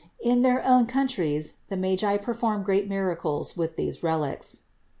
In their own coun tries the Magi performed great miracles with these relics. 569.